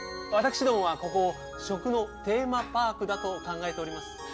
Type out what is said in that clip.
私どもはここを食のテーマパークだと考えております。